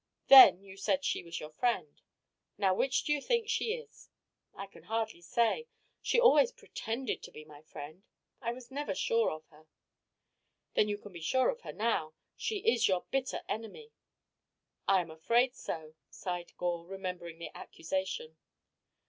Then you said she was your friend. Now which do you think she is?" "I can hardly say. She always pretended to be my friend. I was never sure of her." "Then you can be sure of her now. She is your bitter enemy." "I am afraid so," sighed Gore, remembering the accusation.